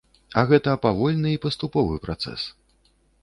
А гэта павольны і паступовы працэс.